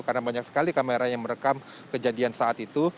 karena banyak sekali kamera yang merekam kejadian saat itu